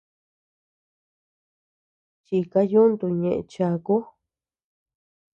Chika yuntu ñeʼe chaku.